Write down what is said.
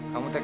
kamu tak bisa